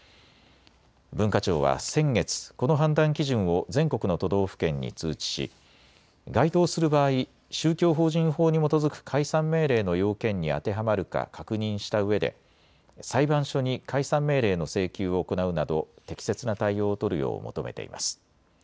文化庁は先月、この判断基準を全国の都道府県に通知し該当する場合、宗教法人法に基づく解散命令の要件に当てはまるか確認したうえで裁判所に解散命令の請求を行うなど適切な対応を取るよう求めています。